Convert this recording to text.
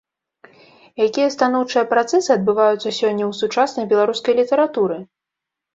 Якія станоўчыя працэсы адбываюцца сёння ў сучаснай беларускай літаратуры?